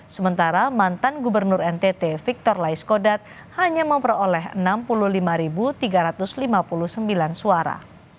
sementara mantan gubernur ntt victor laiskodat hanya memperoleh enam puluh lima tiga ratus lima puluh sembilan suara